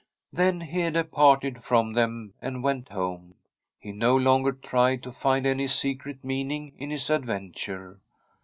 Then Hede parted from them and went home. He no longer tried to find any secret meaning in his adventure.